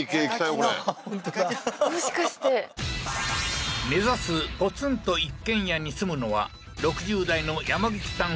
これ本当だもしかして目指すポツンと一軒家に住むのは６０代のヤマグチさん